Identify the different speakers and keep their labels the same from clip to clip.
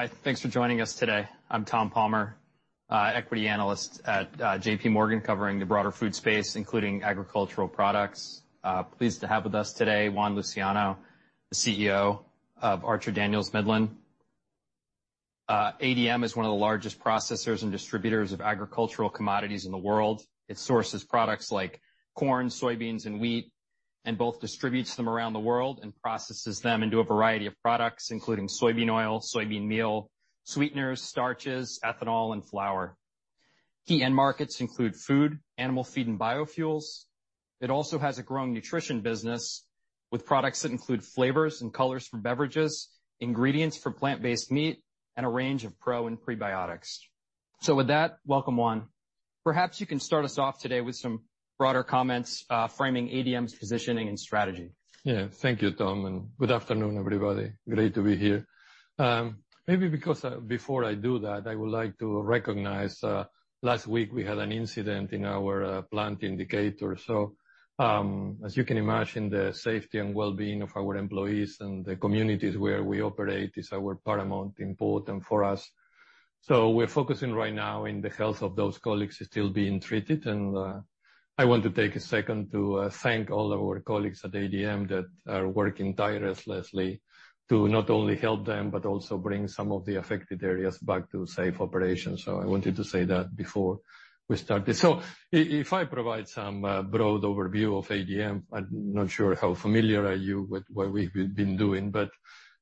Speaker 1: Hi, thanks for joining us today. I'm Tom Palmer, Equity Analyst at JPMorgan, covering the Broader Food Space, including agricultural products. Pleased to have with us today Juan Luciano, the CEO of Archer-Daniels-Midland. ADM is one of the largest processors and distributors of agricultural commodities in the world. It sources products like corn, Soybeans, and wheat, and both distributes them around the world and processes them into a variety of products, including Soybean oil, Soybean meal, sweeteners, starches, ethanol, and flour. Key end markets include food, animal feed, and biofuels. It also has a growing Nutrition business, with products that include flavors and colors for beverages, ingredients for plant-based meat, and a range of pro and prebiotics. So with that, welcome, Juan. Perhaps you can start us off today with some broader comments, framing ADM's positioning and strategy.
Speaker 2: Yeah. Thank you, Tom, and good afternoon, everybody. Great to be here. Before I do that, I would like to recognize last week we had an incident in our plant in Decatur. So, as you can imagine, the safety and well-being of our employees and the communities where we operate is our paramount important for us. So we're focusing right now in the health of those colleagues still being treated, and I want to take a second to thank all of our colleagues at ADM that are working tirelessly to not only help them, but also bring some of the affected areas back to safe operation. So I wanted to say that before we started. So if I provide some broad overview of ADM, I'm not sure how familiar are you with what we've been doing, but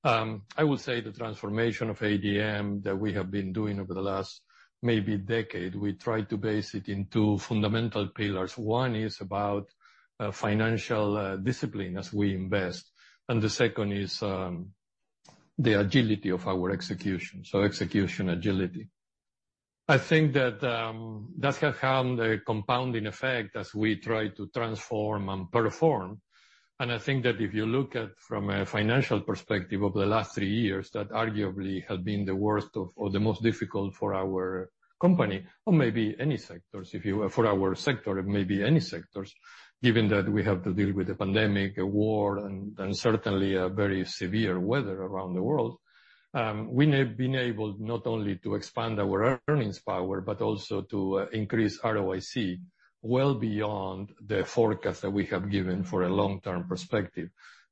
Speaker 2: I will say the transformation of ADM that we have been doing over the last maybe decade, we tried to base it in two fundamental pillars. One is about financial discipline as we invest, and the second is the agility of our execution, so execution agility. I think that that has had a compounding effect as we try to transform and perform, and I think that if you look at from a financial perspective over the last three years, that arguably has been the worst of, or the most difficult for our company, or maybe any sectors, if you. For our sector, or maybe any sectors, given that we have to deal with the pandemic, a war, and certainly a very severe weather around the world. We have been able not only to expand our earnings power, but also to increase ROIC well beyond the forecast that we have given for a long-term perspective,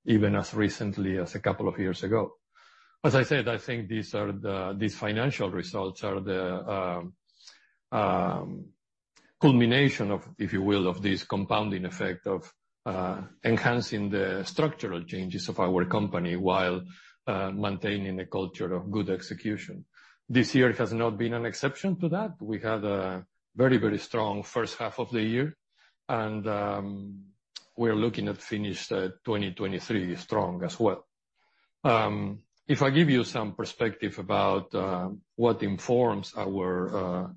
Speaker 2: even as recently as a couple of years ago. As I said, I think these financial results are the culmination of, if you will, of this compounding effect of enhancing the structural changes of our company while maintaining a culture of good execution. This year has not been an exception to that. We had a very, very strong first half of the year, and we're looking to finish 2023 strong as well. If I give you some perspective about what informs our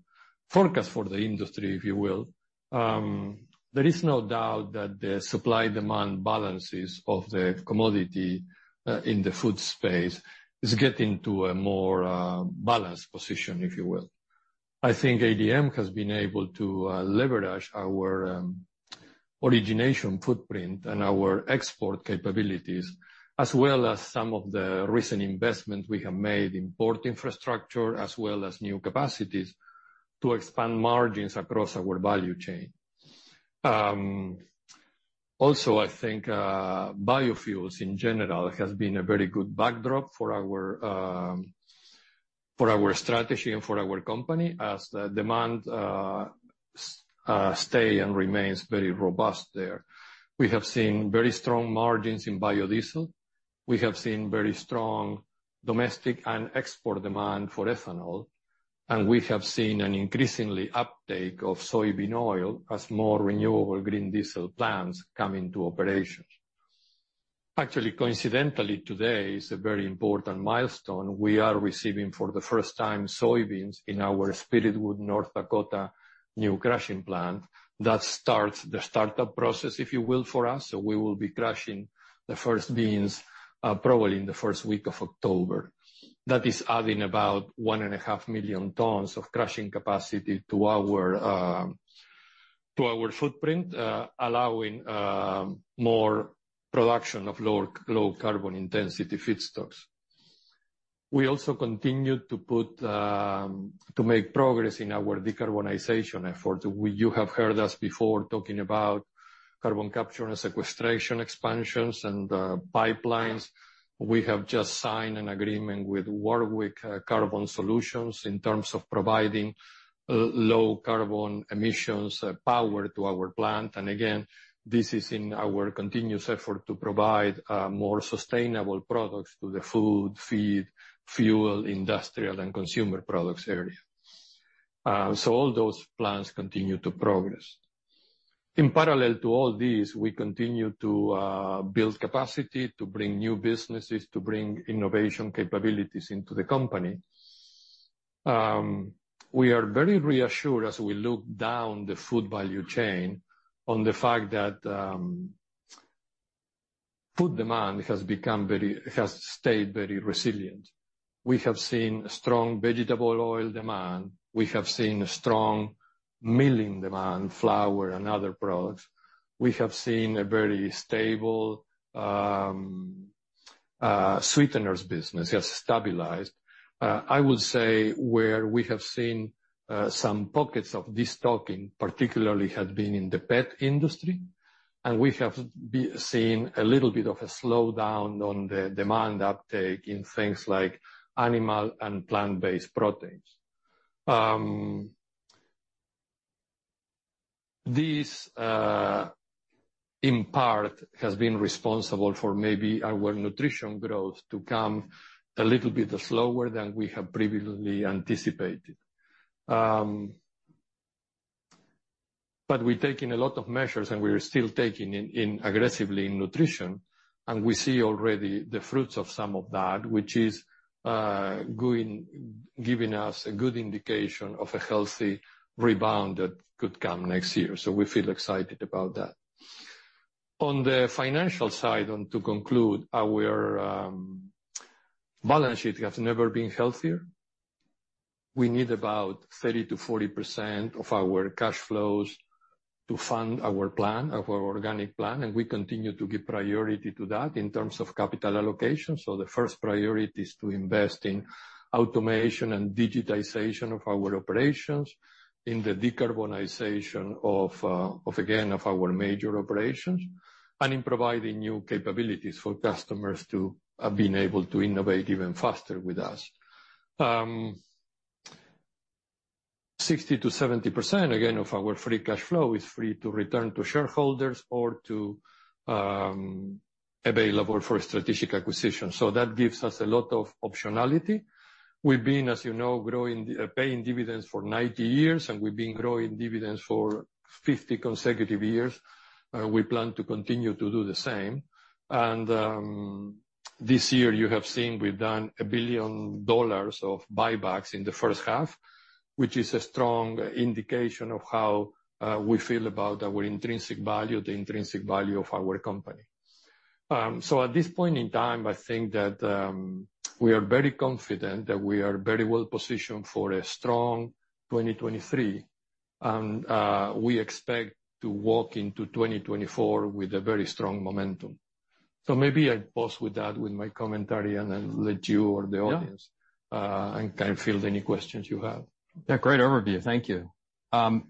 Speaker 2: forecast for the industry, if you will, there is no doubt that the supply-demand balances of the commodity in the food space is getting to a more balanced position, if you will. I think ADM has been able to leverage our origination footprint and our export capabilities, as well as some of the recent investments we have made in port infrastructure, as well as new capacities to expand margins across our value chain. Also, I think biofuels in general has been a very good backdrop for our strategy and for our company, as the demand stay and remains very robust there. We have seen very strong margins in biodiesel. We have seen very strong domestic and export demand for ethanol, and we have seen an increasingly uptake of Soybean oil as more renewable green diesel plants come into operation. Actually, coincidentally, today is a very important milestone. We are receiving for the first time Soybeans in our Spiritwood, North Dakota, new crushing plant. That starts the startup process, if you will, for us, so we will be crushing the first beans, probably in the first week of October. That is adding about 1.5 million tons of crushing capacity to our footprint, allowing more production of low carbon intensity feedstocks. We also continue to make progress in our decarbonization efforts. You have heard us before talking about carbon capture and sequestration expansions and pipelines. We have just signed an agreement with Wolf Carbon Solutions in terms of providing low carbon emissions power to our plant. Again, this is in our continuous effort to provide more sustainable products to the food, feed, fuel, industrial, and consumer products area. So all those plans continue to progress. In parallel to all this, we continue to build capacity to bring new businesses, to bring innovation capabilities into the company. We are very reassured as we look down the food value chain on the fact that food demand has stayed very resilient. We have seen strong vegetable oil demand. We have seen strong milling demand, flour, and other products. We have seen a very stable sweeteners business, has stabilized. I would say where we have seen some pockets of destocking, particularly had been in the pet industry, and we have seen a little bit of a slowdown on the demand uptake in things like animal and plant-based proteins. This, in part, has been responsible for maybe our Nutrition growth to come a little bit slower than we have previously anticipated. But we're taking a lot of measures, and we are still taking it aggressively in Nutrition, and we see already the fruits of some of that, which is giving us a good indication of a healthy rebound that could come next year, so we feel excited about that. On the financial side, and to conclude, our balance sheet has never been healthier. We need about 30%-40% of our cash flows to fund our plan, our organic plan, and we continue to give priority to that in terms of capital allocation. So the first priority is to invest in automation and digitization of our operations, in the decarbonization of, of again, of our major operations, and in providing new capabilities for customers to, being able to innovate even faster with us. Sixty to seventy percent, again, of our free cash flow is free to return to shareholders or to, available for strategic acquisition. So that gives us a lot of optionality. We've been, as you know, growing, paying dividends for 90 years, and we've been growing dividends for 50 consecutive years, and we plan to continue to do the same. And, this year you have seen we've done $1 billion of buybacks in the first half, which is a strong indication of how, we feel about our intrinsic value, the intrinsic value of our company. So at this point in time, I think that, we are very confident that we are very well positioned for a strong 2023, and, we expect to walk into 2024 with a very strong momentum. So maybe I pause with that, with my commentary, and then let you or the audience-
Speaker 1: Yeah.
Speaker 2: Kind of field any questions you have.
Speaker 1: Yeah, great overview. Thank you.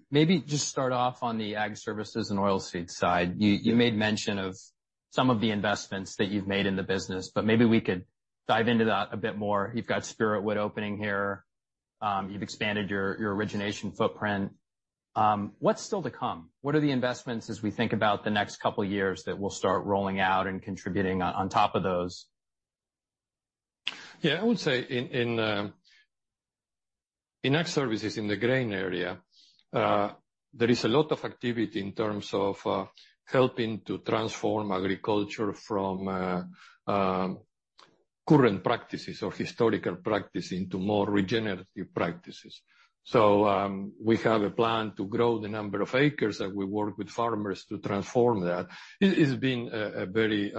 Speaker 1: Maybe just start off on the Ag Services and Oilseeds side. You made mention of some of the investments that you've made in the business, but maybe we could dive into that a bit more. You've got Spiritwood opening here, you've expanded your origination footprint. What's still to come? What are the investments as we think about the next couple of years that will start rolling out and contributing on top of those?
Speaker 2: Yeah, I would say in Ag Services, in the grain area, there is a lot of activity in terms of helping to transform agriculture from current practices or historical practice into more regenerative practices. So, we have a plan to grow the number of acres that we work with farmers to transform that. It's been a very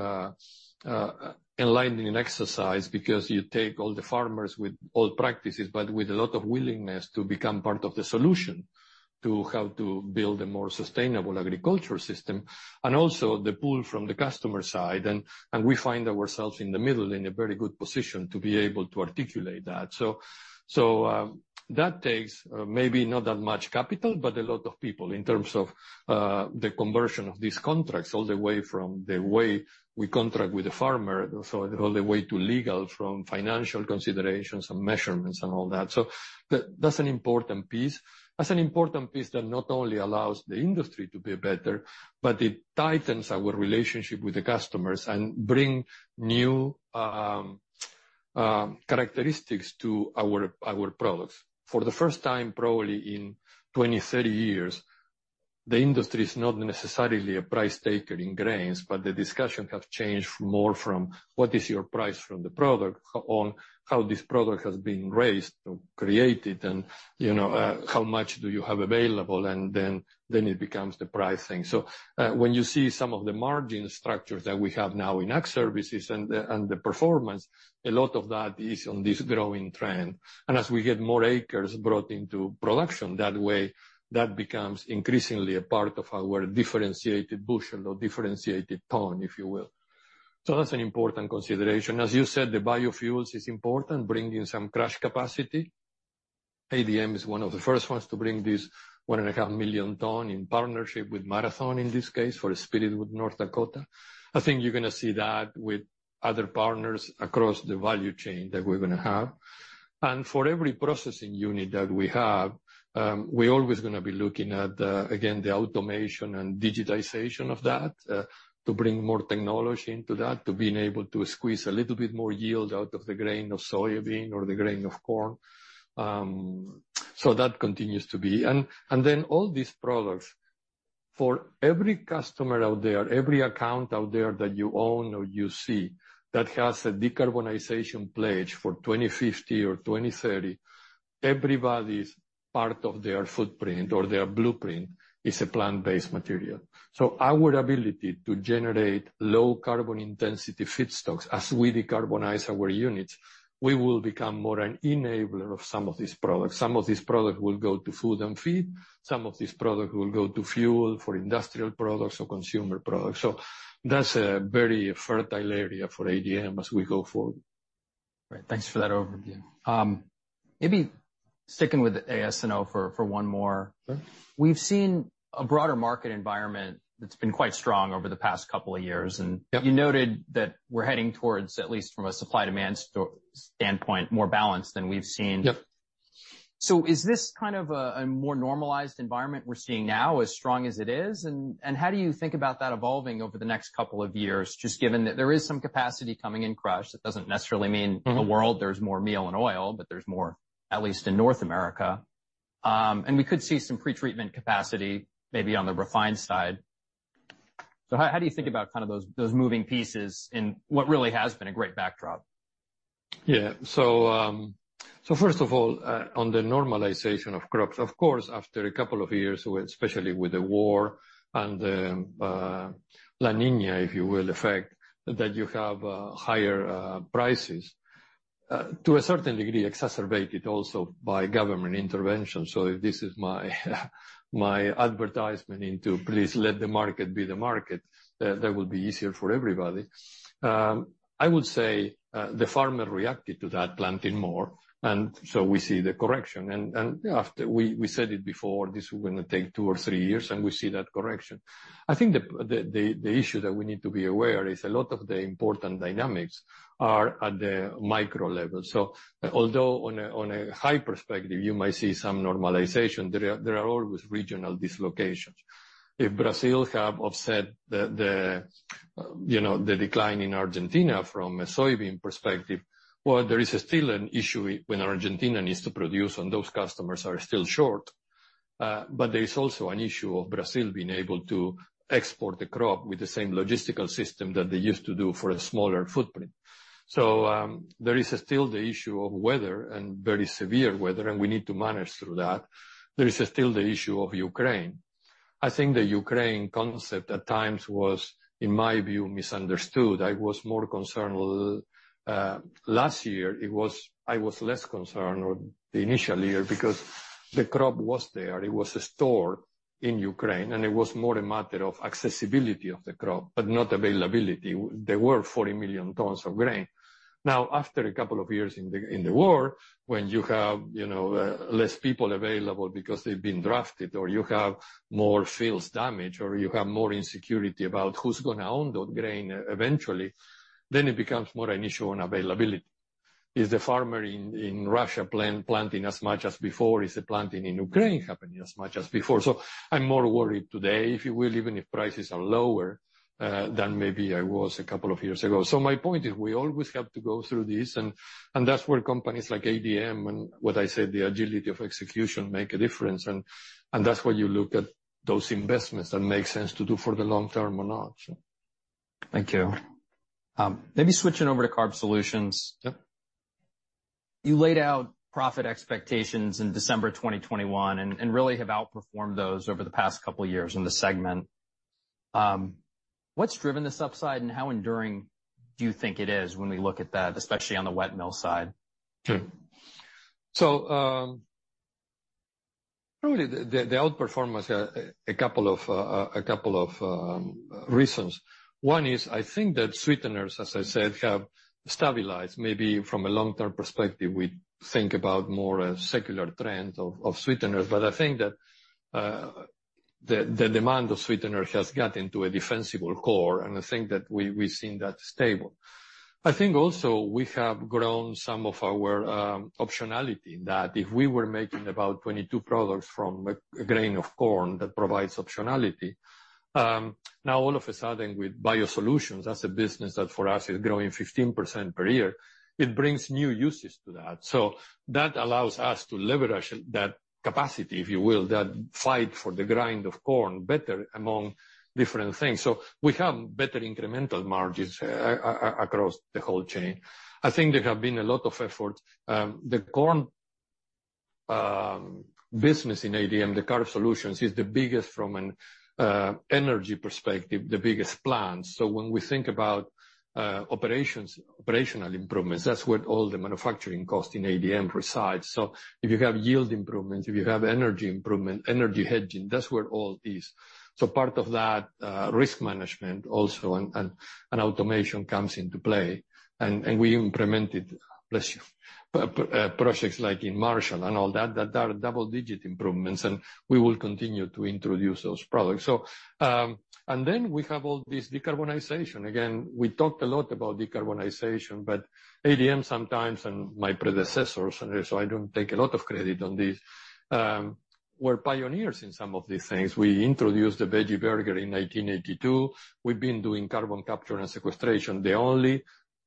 Speaker 2: enlightening exercise because you take all the farmers with old practices, but with a lot of willingness to become part of the solution, to help to build a more sustainable agriculture system, and also the pull from the customer side. We find ourselves in the middle, in a very good position to be able to articulate that. That takes maybe not that much capital, but a lot of people in terms of the conversion of these contracts, all the way from the way we contract with the farmer, so all the way to legal, from financial considerations and measurements and all that. So that's an important piece. That's an important piece that not only allows the industry to be better, but it tightens our relationship with the customers and bring new characteristics to our products. For the first time, probably in 20, 30 years, the industry is not necessarily a price taker in grains, but the discussion have changed more from what is your price from the product on how this product has been raised or created and, you know, how much do you have available, and then it becomes the pricing. So, when you see some of the margin structures that we have now in ag services and the performance, a lot of that is on this growing trend. And as we get more acres brought into production, that way, that becomes increasingly a part of our differentiated bushel or differentiated tonne, if you will. So that's an important consideration. As you said, the biofuels is important, bringing some crush capacity. ADM is one of the first ones to bring this 1.5 million-ton in partnership with Marathon, in this case, for Spiritwood, North Dakota. I think you're gonna see that with other partners across the value chain that we're gonna have. For every processing unit that we have, we're always gonna be looking at the, again, the automation and digitization of that, to bring more technology into that, to being able to squeeze a little bit more yield out of the grain of Soybean or the grain of corn. So that continues to be... And then all these products, for every customer out there, every account out there that you own or you see, that has a decarbonization pledge for 2050 or 2030, everybody's-... part of their footprint or their blueprint is a plant-based material. So our ability to generate low carbon intensity feedstocks as we decarbonize our units, we will become more an enabler of some of these products. Some of these products will go to food and feed, some of these products will go to fuel for industrial products or consumer products. So that's a very fertile area for ADM as we go forward.
Speaker 1: Right. Thanks for that overview. Maybe sticking with AS&O for one more.
Speaker 2: Sure.
Speaker 1: We've seen a broader market environment that's been quite strong over the past couple of years, and-
Speaker 2: Yep.
Speaker 1: You noted that we're heading towards, at least from a supply-demand standpoint, more balanced than we've seen.
Speaker 2: Yep.
Speaker 1: So is this kind of a more normalized environment we're seeing now, as strong as it is? And how do you think about that evolving over the next couple of years, just given that there is some capacity coming in crush? That doesn't necessarily mean-
Speaker 2: Mm-hmm.
Speaker 1: -the world, there's more meal and oil, but there's more, at least in North America. And we could see some pretreatment capacity maybe on the refined side. So how, how do you think about kind of those, those moving pieces in what really has been a great backdrop?
Speaker 2: Yeah. So, first of all, on the normalization of crops, of course, after a couple of years, especially with the war and the La Niña, if you will, effect, that you have higher prices to a certain degree, exacerbated also by government intervention. So this is my advertisement into please let the market be the market. That will be easier for everybody. I would say the farmer reacted to that, planting more, and so we see the correction. And after... We said it before, this is gonna take two or three years, and we see that correction. I think the issue that we need to be aware is a lot of the important dynamics are at the micro level. So although on a high perspective, you might see some normalization, there are always regional dislocations. If Brazil have offset the, you know, the decline in Argentina from a Soybean perspective, well, there is still an issue when Argentina needs to produce, and those customers are still short. But there is also an issue of Brazil being able to export the crop with the same logistical system that they used to do for a smaller footprint. So, there is still the issue of weather and very severe weather, and we need to manage through that. There is still the issue of Ukraine. I think the Ukraine concept at times was, in my view, misunderstood. I was more concerned last year, I was less concerned or the initial year, because the crop was there. It was stored in Ukraine, and it was more a matter of accessibility of the crop, but not availability. There were 40 million tons of grain. Now, after a couple of years in the war, when you have, you know, less people available because they've been drafted, or you have more fields damaged, or you have more insecurity about who's gonna own the grain eventually, then it becomes more an issue on availability. Is the farmer in Russia planting as much as before? Is the planting in Ukraine happening as much as before? So I'm more worried today, if you will, even if prices are lower, than maybe I was a couple of years ago. So my point is, we always have to go through this, and that's where companies like ADM and what I said, the agility of execution, make a difference. That's where you look at those investments that make sense to do for the long term or not, so.
Speaker 1: Thank you. Maybe switching over to Carb Solutions.
Speaker 2: Yep.
Speaker 1: You laid out profit expectations in December 2021, and really have outperformed those over the past couple of years in the segment. What's driven the upside, and how enduring do you think it is when we look at that, especially on the wet mill side?
Speaker 2: Sure. So, really, the outperformance, a couple of reasons. One is, I think that sweeteners, as I said, have stabilized. Maybe from a long-term perspective, we think about more a secular trend of sweeteners, but I think that the demand of sweeteners has got into a defensible core, and I think that we, we've seen that stable. I think also we have grown some of our optionality, that if we were making about 22 products from a grain of corn, that provides optionality. Now all of a sudden, with BioSolutions, that's a business that for us is growing 15% per year. It brings new uses to that. So that allows us to leverage that capacity, if you will, that fight for the grind of corn better among different things. So we have better incremental margins across the whole chain. I think there have been a lot of efforts. The corn business in ADM, the Carb Solutions, is the biggest from an energy perspective, the biggest plant. So when we think about operations, operational improvements, that's where all the manufacturing cost in ADM resides. So if you have yield improvements, if you have energy improvement, energy hedging, that's where it all is. So part of that, risk management also, and automation comes into play, and we implemented... Bless you. Projects like in Marshall and all that, that are double-digit improvements, and we will continue to introduce those products. So, and then we have all this decarbonization. Again, we talked a lot about decarbonization, but ADM sometimes, and my predecessors, and so I don't take a lot of credit on this, we're pioneers in some of these things. We introduced the veggie burger in 1982. We've been doing carbon capture and sequestration, the only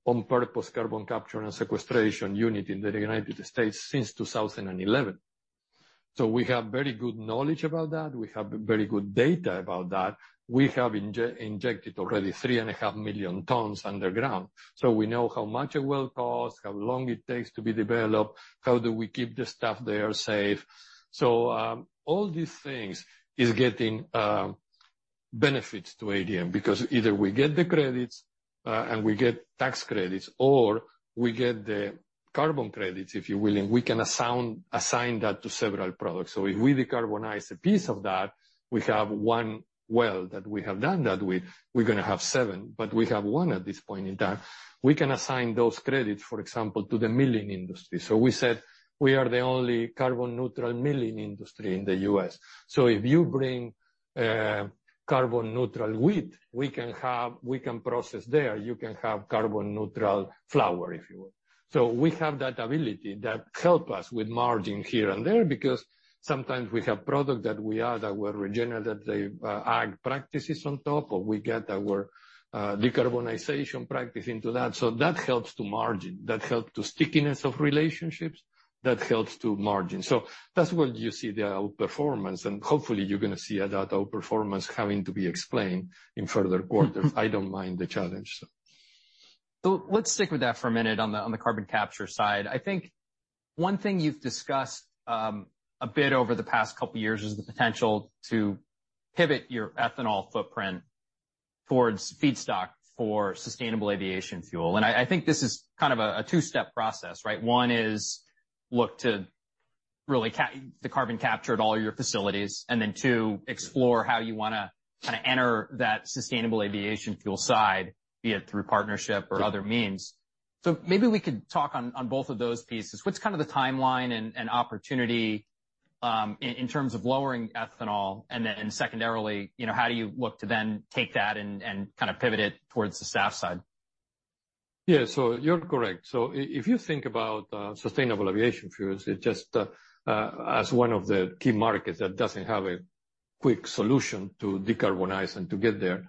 Speaker 2: on-purpose carbon capture and sequestration unit in the United States since 2011. So we have very good knowledge about that. We have very good data about that. We have injected already 3.5 million tons underground, so we know how much it will cost, how long it takes to be developed, how do we keep the staff there safe. So, all these things is getting. benefits to ADM, because either we get the credits, and we get tax credits, or we get the carbon credits, if you will, and we can assign, assign that to several products. So if we decarbonize a piece of that, we have one well that we have done that with. We're gonna have seven, but we have one at this point in time. We can assign those credits, for example, to the milling industry. So we said we are the only carbon neutral milling industry in the U.S. So if you bring carbon neutral wheat, we can have, we can process there, you can have carbon neutral flour, if you will. So we have that ability that help us with margin here and there, because sometimes we have product that we add, that we're regenerate the ag practices on top, or we get our decarbonization practice into that. So that helps to margin. That helps to stickiness of relationships, that helps to margin. So that's where you see the outperformance, and hopefully you're gonna see that outperformance having to be explained in further quarters. I don't mind the challenge, so.
Speaker 1: So let's stick with that for a minute on the carbon capture side. I think one thing you've discussed a bit over the past couple of years is the potential to pivot your ethanol footprint towards feedstock for sustainable aviation fuel. And I think this is kind of a two-step process, right? One is look to really capture the carbon capture at all your facilities, and then, two, explore how you wanna kind of enter that sustainable aviation fuel side, be it through partnership or other means. So maybe we could talk on both of those pieces. What's kind of the timeline and opportunity in terms of lowering ethanol? And then secondarily, you know, how do you look to then take that and kind of pivot it towards the SAF side?
Speaker 2: Yeah, so you're correct. So if you think about sustainable aviation fuels, it just as one of the key markets that doesn't have a quick solution to decarbonize and to get there.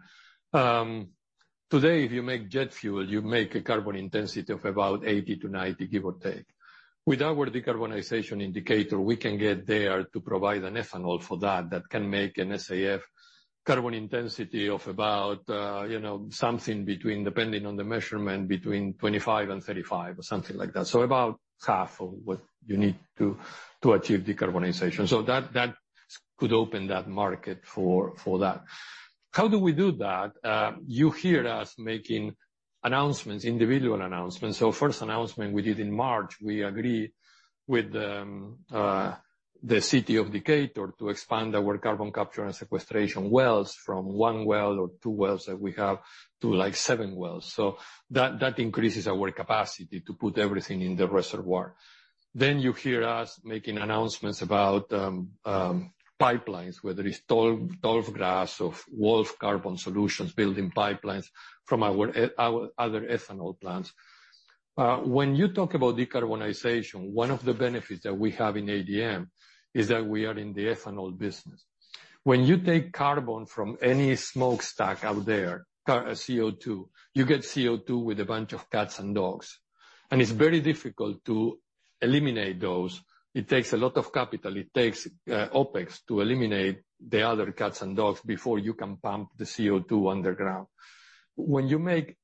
Speaker 2: Today, if you make jet fuel, you make a carbon intensity of about 80-90, give or take. With our decarbonization indicator, we can get there to provide an ethanol for that, that can make an SAF carbon intensity of about, you know, something between, depending on the measurement, between 25 and 35 or something like that. So about half of what you need to achieve Decarbonization. So that could open that market for that. How do we do that? You hear us making announcements, individual announcements. So first announcement we did in March, we agreed with the City of Decatur to expand our carbon capture and sequestration wells from one well or two wells that we have to, like, seven wells. So that increases our capacity to put everything in the reservoir. Then you hear us making announcements about pipelines, whether it's Tallgrass or Wolf Carbon Solutions, building pipelines from our other ethanol plants. When you talk about decarbonization, one of the benefits that we have in ADM is that we are in the ethanol business. When you take carbon from any smokestack out there, CO2, you get CO2 with a bunch of cats and dogs, and it's very difficult to eliminate those. It takes a lot of capital. It takes OpEx to eliminate the other cats and dogs before you can pump the CO2 underground. When you make ethanol,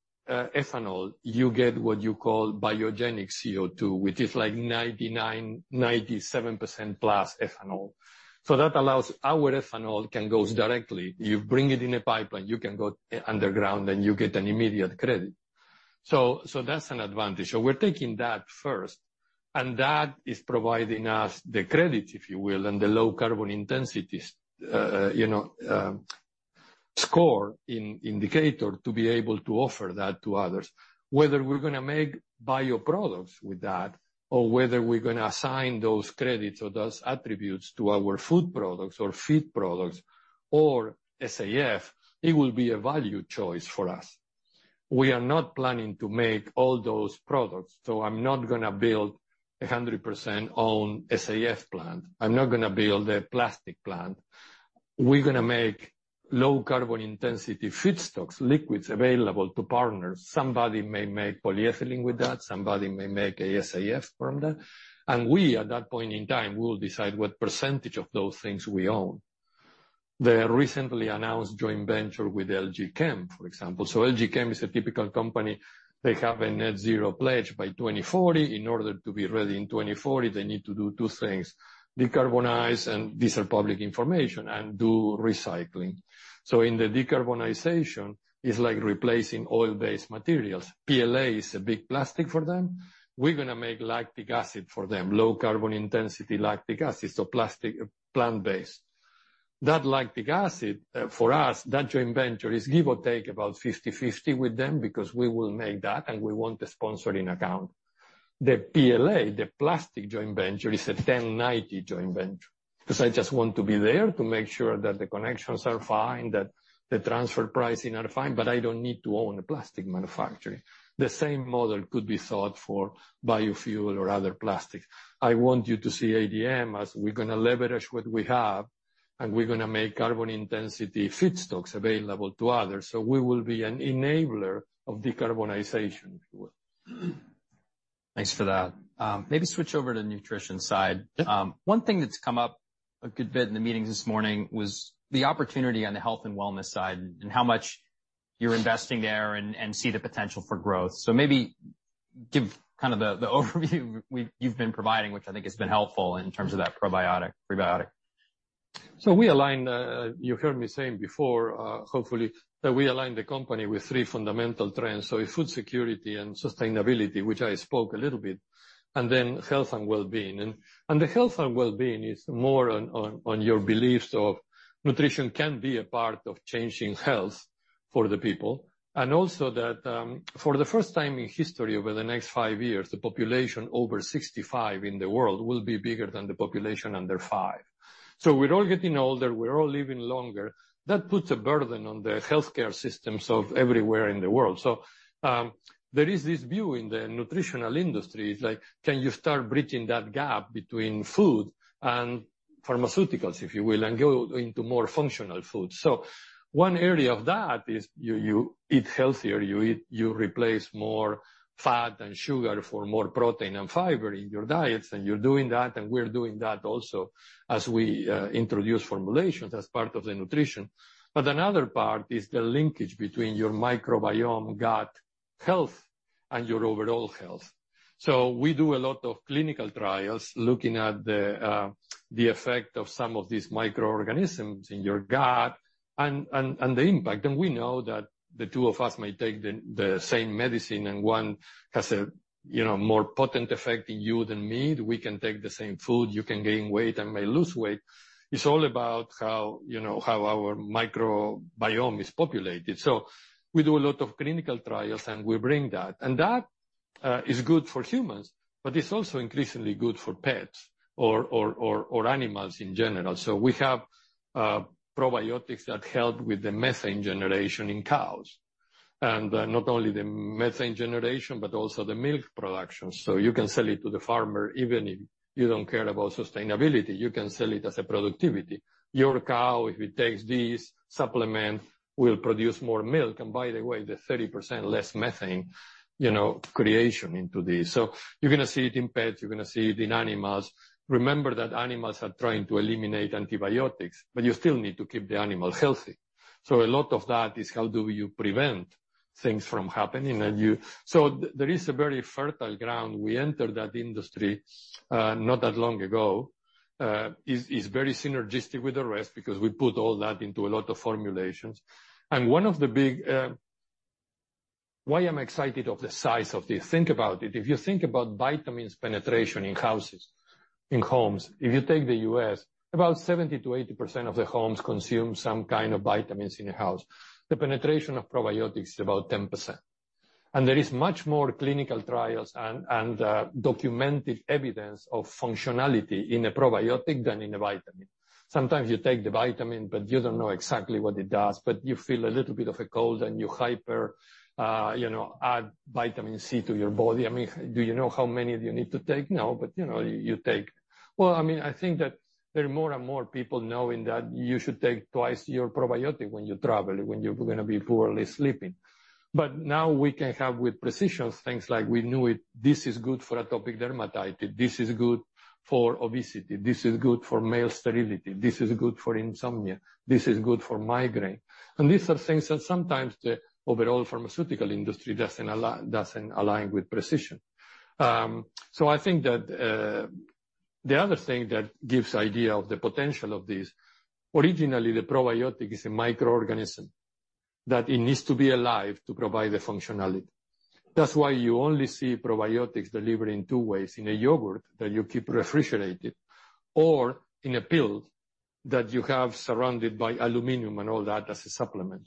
Speaker 2: you get what you call biogenic CO2, which is like 99.97% plus ethanol. So that allows our ethanol can go directly. You bring it in a pipeline, you can go underground, and you get an immediate credit. So that's an advantage. So we're taking that first, and that is providing us the credit, if you will, and the low carbon intensity, you know, score in indicator to be able to offer that to others. Whether we're gonna make bioproducts with that or whether we're gonna assign those credits or those attributes to our food products or feed products or SAF, it will be a value choice for us. We are not planning to make all those products, so I'm not gonna build a 100% own SAF plant. I'm not gonna build a plastic plant. We're gonna make low carbon intensity feedstocks, liquids available to partners. Somebody may make polyethylene with that, somebody may make a SAF from that, and we, at that point in time, we will decide what percentage of those things we own. The recently announced joint venture with LG Chem, for example. So LG Chem is a typical company. They have a net zero pledge by 2040. In order to be ready in 2040, they need to do two things: decarbonize, and these are public information, and do recycling. So in the decarbonization, it's like replacing oil-based materials. PLA is a big plastic for them. We're gonna make lactic acid for them, low carbon intensity lactic acid, so plastic, plant-based. That lactic acid, for us, that joint venture is give or take about 50/50 with them because we will make that, and we want a sponsoring account. The PLA, the plastic joint venture, is a 10/90 joint venture, because I just want to be there to make sure that the connections are fine, that the transfer pricing are fine, but I don't need to own a Plastic Manufacturing. The same model could be thought for biofuel or other plastics. I want you to see ADM as we're gonna leverage what we have, and we're gonna make carbon intensity feedstocks available to others. So we will be an enabler of decarbonization, if you will.
Speaker 1: Thanks for that. Maybe switch over to the Nutrition side.
Speaker 2: Yeah.
Speaker 1: One thing that's come up a good bit in the meeting this morning was the opportunity on the health and wellness side, and how much you're investing there and see the potential for growth. So give kind of the overview you've been providing, which I think has been helpful in terms of that probiotic, prebiotic.
Speaker 2: So we align. You've heard me saying before, hopefully, that we align the company with three fundamental trends. So food security and sustainability, which I spoke a little bit, and then health and well-being. And the health and well-being is more on your beliefs of Nutrition can be a part of changing health for the people, and also that, for the first time in history, over the next 5 years, the population over 65 in the world will be bigger than the population under five. So we're all getting older, we're all living longer. That puts a burden on the healthcare systems of everywhere in the world. So there is this view in the Nutritional industry, it's like, can you start bridging that gap between food and pharmaceuticals, if you will, and go into more functional foods? So one area of that is you eat healthier. You replace more fat and sugar for more protein and fiber in your diets, and you're doing that, and we're doing that also as we introduce formulations as part of the Nutrition. But another part is the linkage between your microbiome, gut health, and your overall health. So we do a lot of clinical trials looking at the effect of some of these microorganisms in your gut and the impact. And we know that the two of us may take the same medicine and one has a, you know, more potent effect in you than me. We can take the same food, you can gain weight, I may lose weight. It's all about how, you know, how our microbiome is populated. So we do a lot of clinical trials, and we bring that. And that is good for humans, but it's also increasingly good for pets or animals in general. So we have probiotics that help with the methane generation in cows, and not only the methane generation, but also the milk production. So you can sell it to the farmer. Even if you don't care about sustainability, you can sell it as a productivity. Your cow, if it takes this supplement, will produce more milk, and by the way, 30% less methane, you know, creation into this. So you're gonna see it in pets, you're gonna see it in animals. Remember that animals are trying to eliminate antibiotics, but you still need to keep the animal healthy. So a lot of that is how do you prevent things from happening? And you. So there is a very fertile ground. We entered that industry not that long ago. Is very synergistic with the rest because we put all that into a lot of formulations. And one of the big... Why I'm excited of the size of this? Think about it. If you think about vitamins penetration in houses, in homes, if you take the U.S., about 70%-80% of the homes consume some kind of vitamins in the house. The penetration of probiotics is about 10%. And there is much more clinical trials and documented evidence of functionality in a probiotic than in a vitamin. Sometimes you take the vitamin, but you don't know exactly what it does, but you feel a little bit of a cold and you hyper you know add vitamin C to your body. I mean, do you know how many do you need to take? No, but, you know, you take... Well, I mean, I think that there are more and more people knowing that you should take twice your probiotic when you travel, when you're gonna be poorly sleeping. But now we can have, with precision, things like we knew it, this is good for atopic dermatitis, this is good for obesity, this is good for male sterility, this is good for insomnia, this is good for migraine. And these are things that sometimes the overall pharmaceutical industry doesn't align with precision. So I think that, the other thing that gives idea of the potential of this, originally, the probiotic is a microorganism, that it needs to be alive to provide the functionality. That's why you only see probiotics delivered in two ways: in a yogurt that you keep refrigerated, or in a pill that you have surrounded by aluminum and all that as a supplement.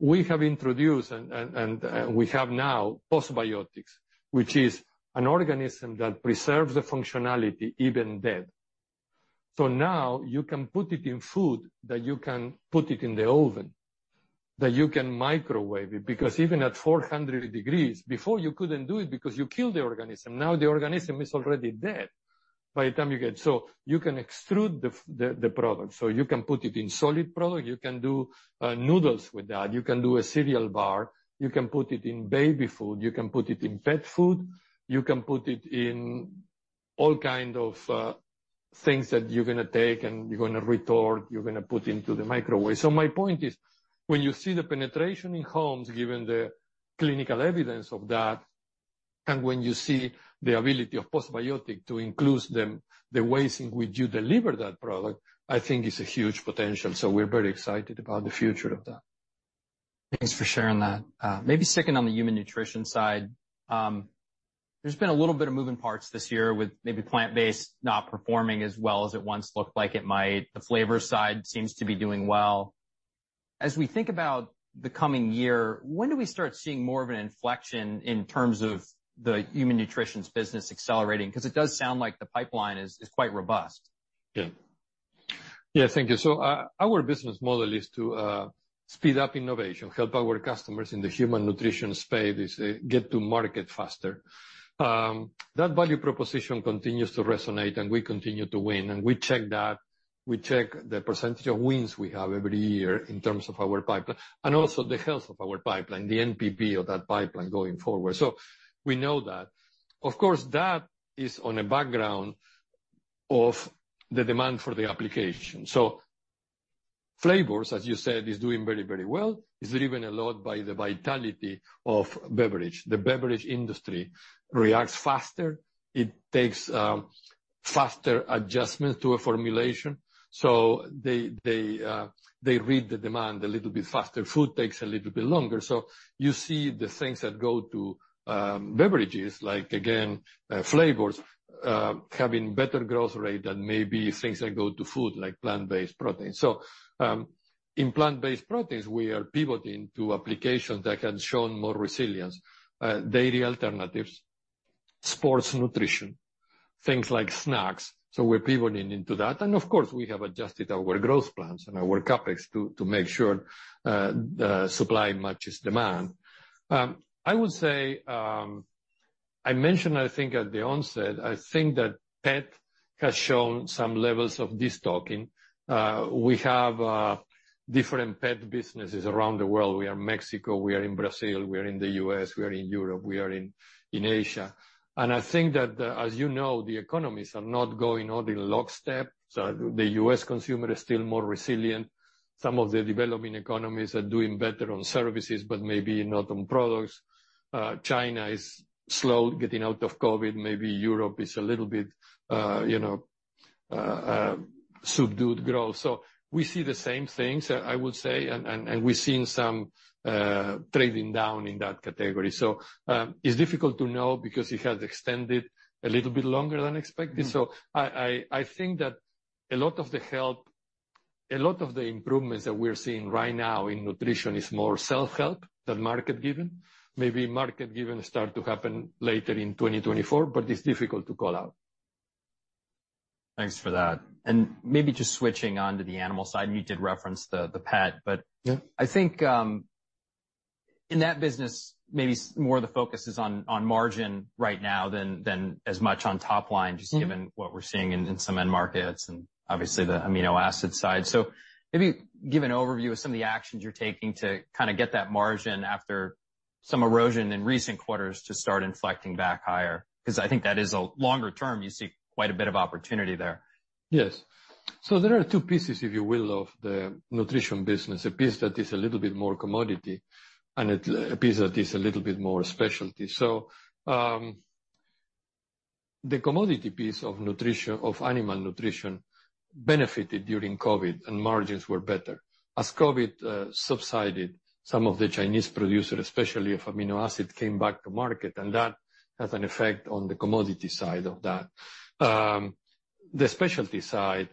Speaker 2: We have introduced we have now postbiotics, which is an organism that preserves the functionality, even dead. So now you can put it in food, that you can put it in the oven, that you can microwave it, because even at 400 degrees. Before, you couldn't do it because you killed the organism. Now, the organism is already dead by the time you get. So you can extrude the product. You can put it in solid product, you can do noodles with that, you can do a cereal bar, you can put it in baby food, you can put it in pet food, you can put it in all kind of things that you're gonna take and you're gonna retort, you're gonna put into the microwave. So my point is, when you see the penetration in homes, given the clinical evidence of that, and when you see the ability of postbiotic to include them, the ways in which you deliver that product, I think is a huge potential. So we're very excited about the future of that.
Speaker 1: Thanks for sharing that. Maybe second, on the human Nutrition side, there's been a little bit of moving parts this year with maybe plant-based not performing as well as it once looked like it might. The flavor side seems to be doing well. As we think about the coming year, when do we start seeing more of an inflection in terms of the human Nutritions business accelerating? Because it does sound like the pipeline is quite robust.
Speaker 2: Yeah. Yeah, thank you. So, our business model is to speed up innovation, help our customers in the human Nutrition space, get to market faster. That value proposition continues to resonate, and we continue to win, and we check that. We check the percentage of wins we have every year in terms of our pipeline, and also the health of our pipeline, the NPV of that pipeline going forward. So we know that. Of course, that is on a background of the demand for the application. So flavors, as you said, is doing very, very well. It's driven a lot by the vitality of beverage. The beverage industry reacts faster, it takes faster adjustment to a formulation, so they, they, they read the demand a little bit faster. Food takes a little bit longer. So you see the things that go to, beverages, like, again, flavors, having better growth rate than maybe things that go to food, like plant-based proteins. So, in plant-based proteins, we are pivoting to applications that have shown more resilience, dairy alternatives, sports Nutrition, things like snacks, so we're pivoting into that. And of course, we have adjusted our growth plans and our CapEx to, to make sure, the supply matches demand. I would say, I mentioned, I think at the onset, I think that pet has shown some levels of de-stocking. We have, different pet businesses around the world. We are in Mexico, we are in Brazil, we are in the U.S., we are in Europe, we are in, in Asia. I think that, as you know, the economies are not going all in lockstep, so the U.S. consumer is still more resilient. Some of the developing economies are doing better on services, but maybe not on products. China is slow getting out of COVID, maybe Europe is a little bit, you know, subdued growth. So we see the same things, I would say, and we're seeing some trading down in that category. So, it's difficult to know because it has extended a little bit longer than expected. So I think that a lot of the improvements that we're seeing right now in Nutrition is more self-help than market driven. Maybe market driven start to happen later in 2024, but it's difficult to call out.
Speaker 1: Thanks for that. Maybe just switching on to the animal side, you did reference the pet, but-
Speaker 2: Yeah.
Speaker 1: I think, in that business, maybe more of the focus is on margin right now than as much on top line-
Speaker 2: Mm-hmm.
Speaker 1: Just given what we're seeing in some end markets, and obviously, the amino acid side. So maybe give an overview of some of the actions you're taking to kind of get that margin after some erosion in recent quarters to start inflecting back higher, 'cause I think that is a longer term, you see quite a bit of opportunity there.
Speaker 2: Yes. So there are two pieces, if you will, of the Nutrition business, a piece that is a little bit more commodity and a piece that is a little bit more specialty. So, the commodity piece of animal Nutrition benefited during COVID, and margins were better. As COVID subsided, some of the Chinese producers, especially of amino acids, came back to market, and that has an effect on the commodity side of that. The specialty side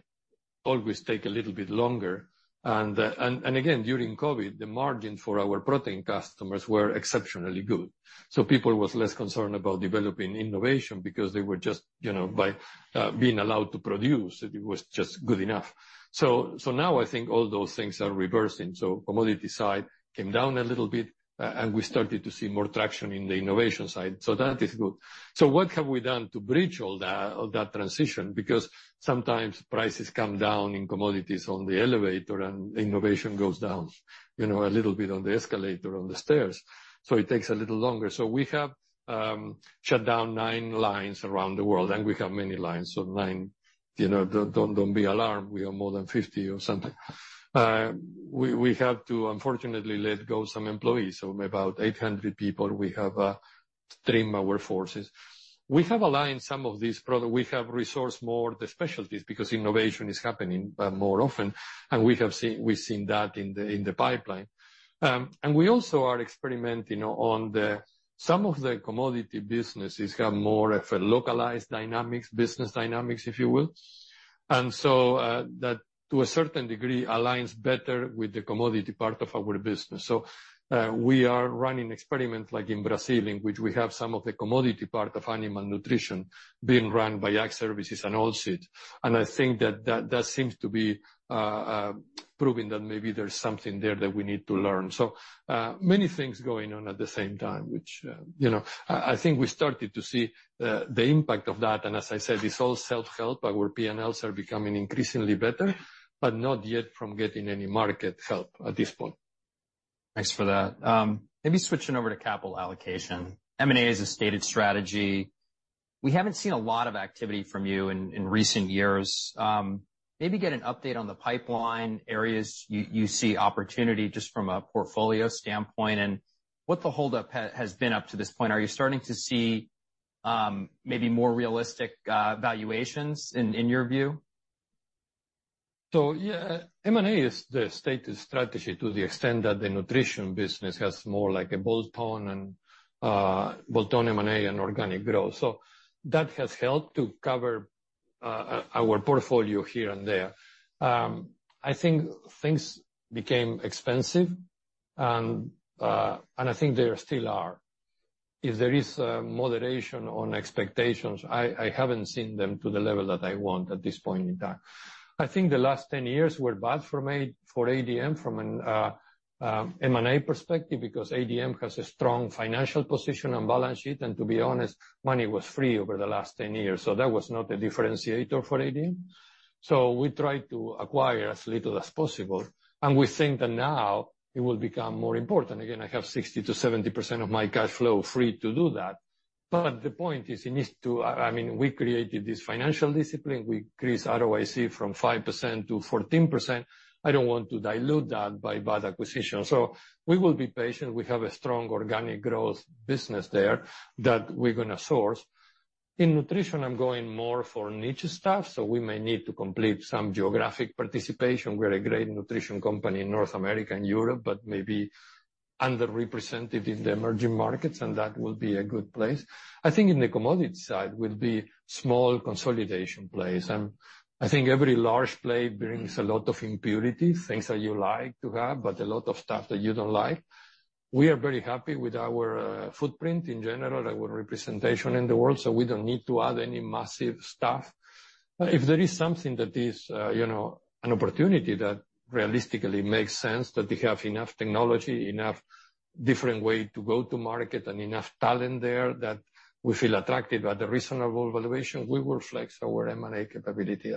Speaker 2: always take a little bit longer, and again, during COVID, the margin for our protein customers were exceptionally good. So people was less concerned about developing innovation because they were just, you know, by being allowed to produce, it was just good enough. So now I think all those things are reversing. So commodity side came down a little bit, and we started to see more traction in the innovation side. So that is good. So what have we done to bridge all that, all that transition? Because sometimes prices come down in commodities on the elevator, and innovation goes down, you know, a little bit on the escalator on the stairs, so it takes a little longer. So we have shut down 9 lines around the world, and we have many lines, so 9, you know, don't, don't be alarmed. We have more than 50 or something. We have to, unfortunately, let go some employees, so about 800 people, we have trim our forces. We have aligned some of these products. We have resourced more the specialties, because innovation is happening more often, and we have seen we've seen that in the pipeline. And we also are experimenting on the some of the commodity businesses have more of a localized dynamics, business dynamics, if you will. And so, that, to a certain degree, aligns better with the commodity part of our business. So, we are running experiments, like in Brazil, in which we have some of the commodity part of animal Nutrition being run by Ag Services and Oilseeds. And I think that, that, that seems to be proving that maybe there's something there that we need to learn. So, many things going on at the same time, which, you know, I think we started to see the impact of that, and as I said, it's all self-help. Our P&Ls are becoming increasingly better, but not yet from getting any market help at this point.
Speaker 1: Thanks for that. Maybe switching over to capital allocation. M&A is a stated strategy. We haven't seen a lot of activity from you in recent years. Maybe get an update on the pipeline areas you see opportunity just from a portfolio standpoint, and what the holdup has been up to this point. Are you starting to see maybe more realistic valuations in your view?
Speaker 2: So, yeah, M&A is the stated strategy to the extent that the Nutrition business has more like a bolt-on and bolt-on M&A and organic growth. So that has helped to cover our portfolio here and there. I think things became expensive, and I think they still are. If there is a moderation on expectations, I haven't seen them to the level that I want at this point in time. I think the last 10 years were bad for ADM from an M&A perspective, because ADM has a strong financial position and balance sheet, and to be honest, money was free over the last 10 years, so that was not a differentiator for ADM. So we tried to acquire as little as possible, and we think that now it will become more important. Again, I have 60%-70% of my cash flow free to do that. But the point is, it needs to—I mean, we created this financial discipline. We increased ROIC from 5% to 14%. I don't want to dilute that by bad acquisition. So we will be patient. We have a strong organic growth business there that we're gonna source. In Nutrition, I'm going more for niche stuff, so we may need to complete some geographic participation. We're a great Nutrition company in North America and Europe, but maybe underrepresented in the emerging markets, and that will be a good place. I think in the commodity side will be small consolidation place. I think every large play brings a lot of impurities, things that you like to have, but a lot of stuff that you don't like. We are very happy with our footprint in general, our representation in the world, so we don't need to add any massive stuff. But if there is something that is, you know, an opportunity that realistically makes sense, that we have enough technology, enough different way to go to market and enough talent there that we feel attracted at a reasonable valuation, we will flex our M&A capability.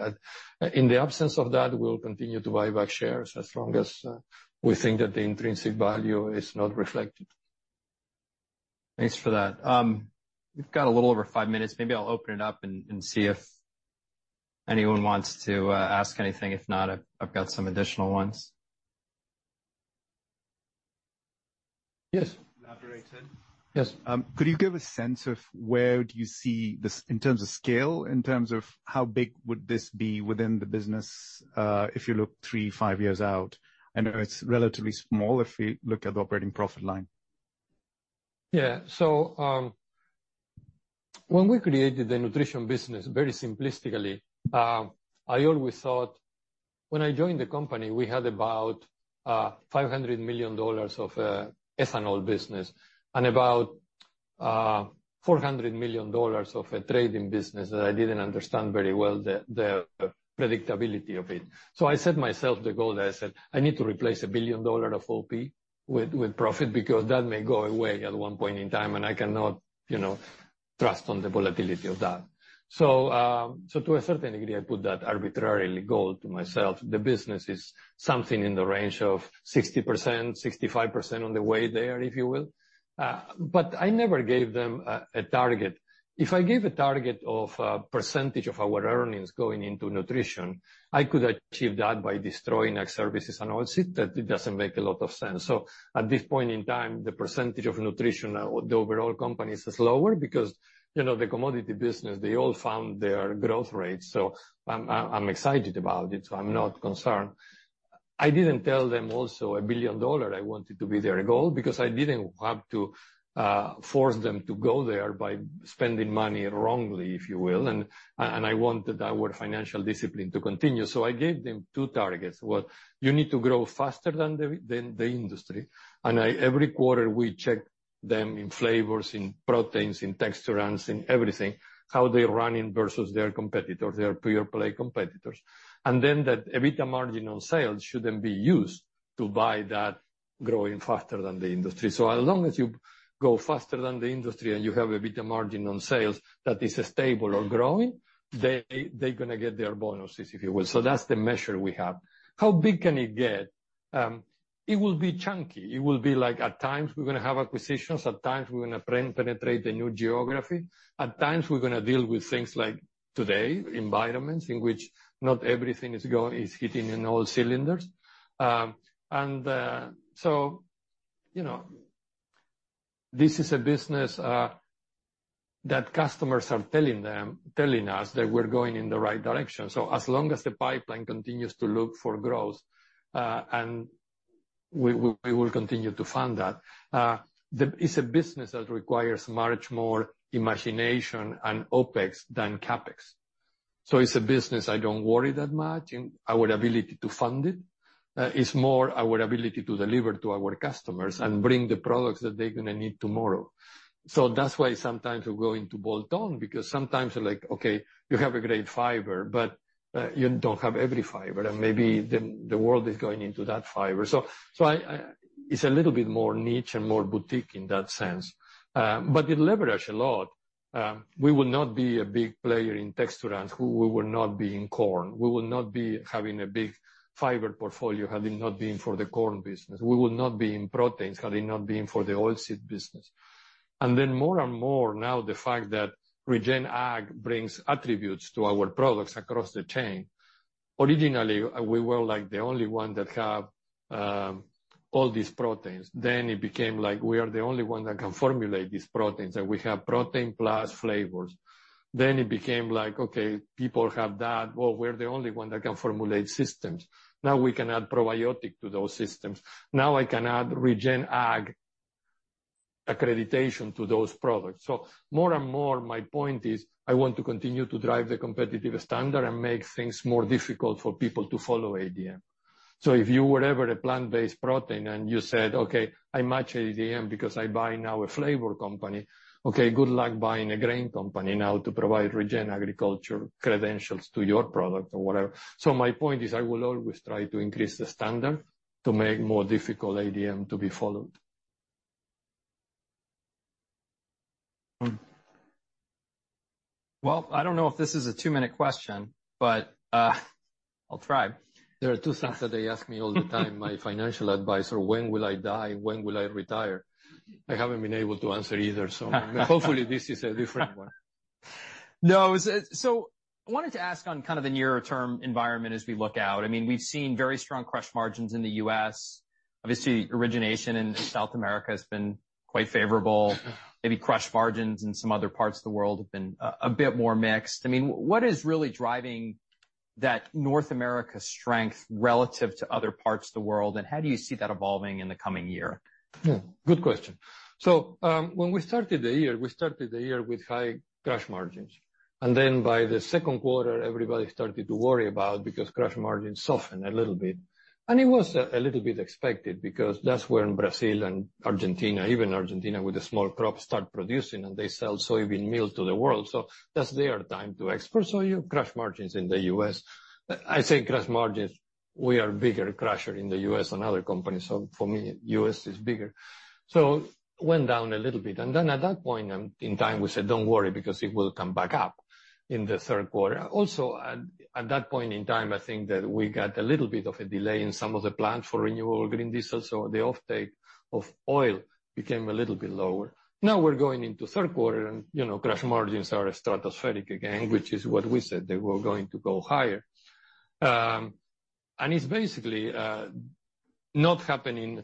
Speaker 2: In the absence of that, we'll continue to buy back shares as long as we think that the intrinsic value is not reflected.
Speaker 1: Thanks for that. We've got a little over five minutes. Maybe I'll open it up and see if anyone wants to ask anything. If not, I've got some additional ones.
Speaker 2: Yes.
Speaker 3: elaborated?
Speaker 2: Yes.
Speaker 3: Could you give a sense of where do you see this in terms of scale, in terms of how big would this be within the business, if you look 3-5 years out? I know it's relatively small if we look at the operating profit line.
Speaker 2: Yeah. So, when we created the Nutrition business, very simplistically, I always thought when I joined the company, we had about $500 million of ethanol business and about $400 million of a trading business that I didn't understand very well, the predictability of it. So I set myself the goal, that I said, "I need to replace $1 billion of OP with profit, because that may go away at one point in time, and I cannot, you know, trust on the volatility of that." So, to a certain degree, I put that arbitrarily goal to myself. The business is something in the range of 60%, 65% on the way there, if you will. But I never gave them a target. If I gave a target of percentage of our earnings going into Nutrition, I could achieve that by destroying our services and all, that it doesn't make a lot of sense. So at this point in time, the percentage of Nutrition the overall company is lower because, you know, the commodity business, they all found their growth rate. So I'm excited about it, so I'm not concerned. I didn't tell them also a $1 billion I wanted to be their goal because I didn't want to force them to go there by spending money wrongly, if you will. And I wanted our financial discipline to continue. So I gave them two targets. Well, you need to grow faster than the industry. And I... Every quarter, we check them in flavors, in proteins, in texturants, in everything, how they're running versus their competitors, their peer-play competitors. And then that EBITDA margin on sales shouldn't be used to buy that growing faster than the industry. So as long as you go faster than the industry and you have a EBITDA margin on sales that is stable or growing, they, they're gonna get their bonuses, if you will. So that's the measure we have. How big can it get? It will be chunky. It will be like, at times, we're gonna have acquisitions, at times we're gonna penetrate a new geography, at times we're gonna deal with things like today, environments in which not everything is hitting in all cylinders. And, so, you know, this is a business that customers are telling them, telling us that we're going in the right direction. So as long as the pipeline continues to look for growth, and we will continue to fund that. It's a business that requires much more imagination and OpEx than CapEx. So it's a business I don't worry that much in our ability to fund it. It's more our ability to deliver to our customers and bring the products that they're gonna need tomorrow. So that's why sometimes we go into bolt-on, because sometimes you're like, okay, you have a great fiber, but you don't have every fiber, and maybe the world is going into that fiber. It's a little bit more niche and more boutique in that sense, but it leverages a lot. We will not be a big player in texturants, we will not be in corn. We will not be having a big fiber portfolio, had it not been for the corn business. We will not be in proteins, had it not been for the oilseed business. And then more and more now, the fact that regen ag brings attributes to our products across the chain. Originally, we were, like, the only one that have all these proteins. Then it became like, we are the only one that can formulate these proteins, and we have protein plus flavors. Then it became like, okay, people have that. Well, we're the only one that can formulate systems. Now we can add probiotic to those systems. Now I can add regen ag accreditation to those products. So more and more, my point is, I want to continue to drive the competitive standard and make things more difficult for people to follow ADM. So if you were ever a plant-based protein and you said, "Okay, I match ADM because I buy now a flavor company," okay, good luck buying a grain company now to provide regen agriculture credentials to your product or whatever. So my point is, I will always try to increase the standard to make more difficult ADM to be followed.
Speaker 1: Well, I don't know if this is a two-minute question, but I'll try.
Speaker 2: There are two things that they ask me all the time, my Financial Advisor, "When will I die? When will I retire?" I haven't been able to answer either, so hopefully this is a different one.
Speaker 1: No, so, so I wanted to ask on kind of the nearer-term environment as we look out. I mean, we've seen very strong crush margins in the U.S. Obviously, origination in South America has been quite favorable. Maybe crush margins in some other parts of the world have been, a bit more mixed. I mean, what is really driving that North America strength relative to other parts of the world, and how do you see that evolving in the coming year?
Speaker 2: Hmm, good question. So, when we started the year, we started the year with high crush margins, and then by the second quarter, everybody started to worry about because crush margins softened a little bit. And it was a little bit expected, because that's when Brazil and Argentina, even Argentina, with a small crop, start producing, and they sell Soybean meal to the world, so that's their time to export. So your crush margins in the U.S.. I say crush margins, we are bigger crusher in the U.S. than other companies, so for me, U.S. is bigger. So went down a little bit, and then at that point in time, we said, "Don't worry, because it will come back up in the third quarter." Also, at that point in time, I think that we got a little bit of a delay in some of the plant for renewable green diesel, so the offtake of oil became a little bit lower. Now we're going into third quarter, and, you know, crush margins are stratospheric again, which is what we said, they were going to go higher. And it's basically not happening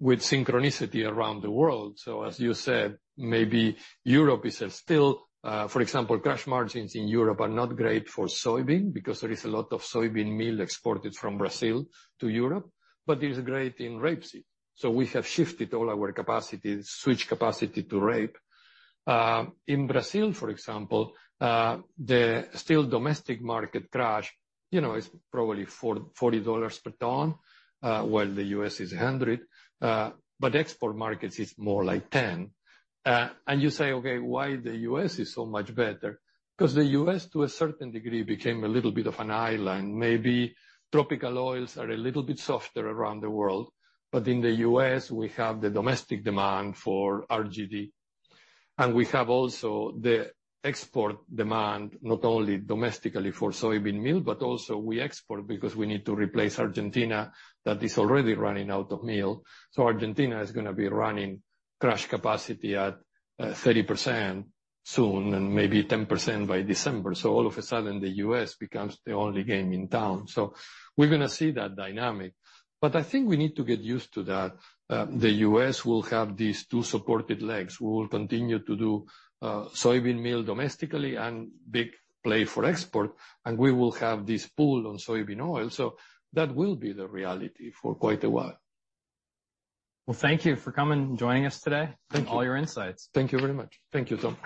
Speaker 2: with synchronicity around the world. So as you said, maybe Europe is at still for example, crush margins in Europe are not great for Soybean because there is a lot of Soybean meal exported from Brazil to Europe, but it is great in rapeseed. So we have shifted all our capacity, switch capacity to rape. In Brazil, for example, the still domestic market crush, you know, is probably $40 per ton, while the U.S. is $100, but export markets, it's more like $10. And you say: Okay, why the U.S. is so much better? 'Cause the U.S., to a certain degree, became a little bit of an island. Maybe tropical oils are a little bit softer around the world, but in the U.S., we have the domestic demand for RD, and we have also the export demand, not only domestically for Soybean Meal, but also we export because we need to replace Argentina, that is already running out of meal. So Argentina is gonna be running crush capacity at 30% soon and maybe 10% by December. So all of a sudden, the U.S. becomes the only game in town. So we're gonna see that dynamic, but I think we need to get used to that. The U.S. will have these two supported legs. We will continue to do Soybean meal domestically and big play for export, and we will have this pull on Soybean Oil, so that will be the reality for quite a while.
Speaker 1: Well, thank you for coming and joining us today.
Speaker 2: Thank.
Speaker 1: And all your insights. Thank you very much.
Speaker 2: Thank you, Tom.